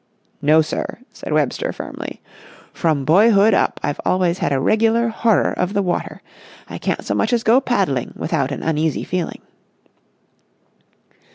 "No, sir," said Webster firmly. "From boyhood up I've always had a regular horror of the water. I can't so much as go paddling without an uneasy feeling."